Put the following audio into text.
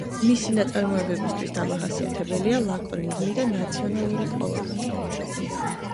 მისი ნაწარმოებებისთვის დამახასიათებელია ლაკონიზმი და ნაციონალური კოლორიტი.